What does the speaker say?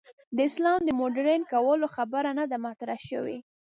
د اسلام د مډرن کولو خبره نه ده مطرح شوې.